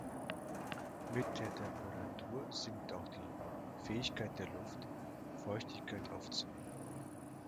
Mit der Temperatur sinkt auch die Fähigkeit der Luft, Feuchtigkeit aufzunehmen.